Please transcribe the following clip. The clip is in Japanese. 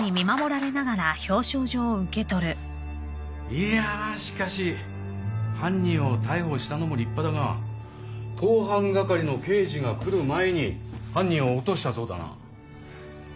いやあしかし犯人を逮捕したのも立派だが盗犯係の刑事が来る前に犯人を落としたそうだな。